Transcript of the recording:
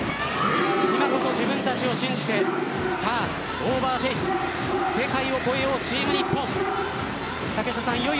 今こそ自分たちを信じてさあ、オーバーテイク世界を越えよう、チーム日本。